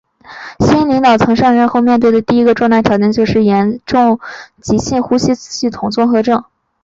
新领导层上任后所面对的第一个重大挑战就是严重急性呼吸系统综合症。